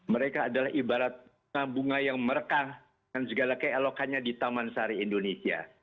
mereka adalah ibarat bunga bunga yang merekah dengan segala keelokannya di taman sari indonesia